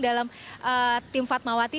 dalam tim fatmawati